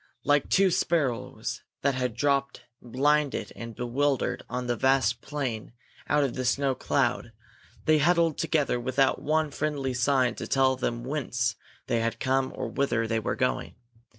Like two sparrows that had dropped blinded and bewildered on the vast plain out of the snow cloud, they huddled together without one friendly sign to tell them whence they had come or whither they were going.